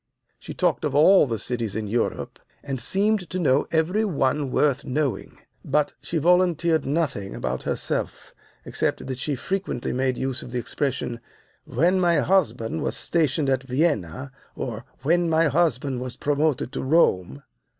She talked of all the cities in Europe, and seemed to know every one worth knowing. But she volunteered nothing about herself except that she frequently made use of the expression, 'When my husband was stationed at Vienna,' or 'When my husband was promoted to Rome.